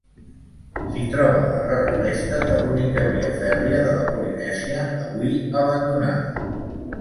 S'hi troben les rares restes de l'única via fèrria de la Polinèsia, avui abandonada.